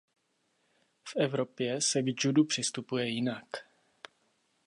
V Evropě se k judu přistupuje jinak.